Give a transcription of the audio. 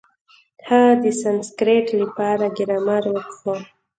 هغه د سانسکرېټ له پاره ګرامر وکېښ.